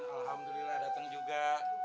alhamdulillah dateng juga